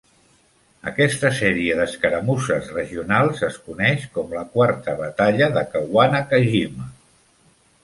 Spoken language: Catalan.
Aquesta sèrie d'escaramusses regionals es coneix com la Quarta Batalla de Kawanakajima.